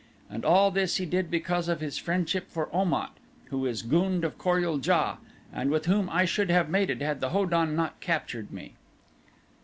And all this he did because of his friendship for Om at, who is gund of Kor ul JA and with whom I should have mated had the Ho don not captured me."